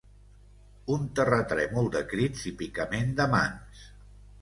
Un terratrèmol de crits i picament de mans